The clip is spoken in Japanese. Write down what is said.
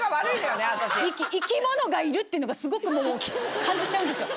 生き物がいるっていうのがすごく感じちゃうんですよ。